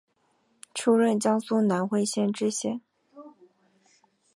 出任江苏南汇县知县。